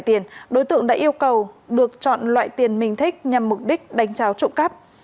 các đối tượng đã yêu cầu được chọn loại tiền mình thích nhằm mục đích đánh tráo trộm cắp